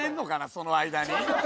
その間に。